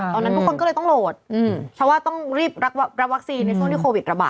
ตอนนั้นทุกคนก็เลยต้องโหลดเพราะว่าต้องรีบรับวัคซีนในช่วงที่โควิดระบาด